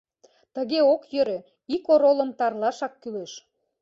Тыге ок йӧрӧ, ик оролым тарлашак кӱлеш.